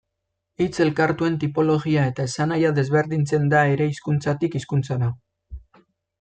Hitz-elkartuen tipologia eta esanahia desberdintzen da ere hizkuntzatik hizkuntzara.